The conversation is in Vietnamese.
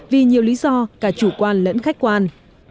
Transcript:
vì nhiều lý do cả chủ quan lẫn khách quan